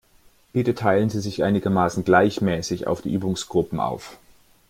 Bitte teilen Sie sich einigermaßen gleichmäßig auf die Übungsgruppen auf.